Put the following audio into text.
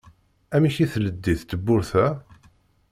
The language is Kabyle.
Amek i tleddi tewwurt-a?